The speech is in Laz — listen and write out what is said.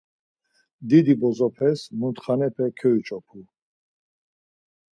Didi bozopes mutxanepe koyuç̌opu.